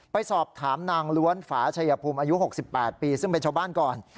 ไปสอบถามนางล้วนฝาชายภูมิอายุ๖๘ปีซึ่งเป็นชาวบ้านก่อน